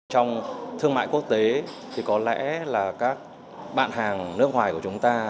trong thương mại quốc tế thì có lẽ là các bạn hàng nước ngoài của chúng ta